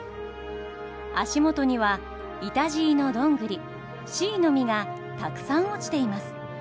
足元にはイタジイのどんぐりシイの実がたくさん落ちています。